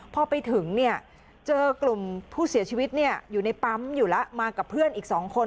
พอไปถึงเนี่ยเจอกลุ่มผู้เสียชีวิตอยู่ในปั๊มอยู่แล้วมากับเพื่อนอีก๒คน